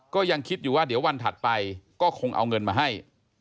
ก็ยังคิดอยู่ว่าเดี๋ยววันถัดไปก็คงเอาเงินมาให้